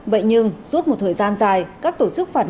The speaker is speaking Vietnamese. vậy nhưng suốt một thời gian dài các tổ chức phản động